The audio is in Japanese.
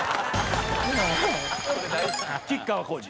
吉川晃司。